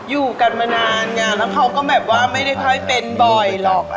อยู่กันมานานไงแล้วเขาก็แบบว่าไม่ได้ค่อยเป็นบ่อยหรอก